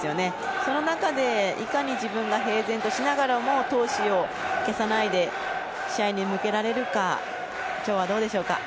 その中でいかに自分が平然としながらも闘志を消さないで試合に向けられるか今日はどうでしょうか。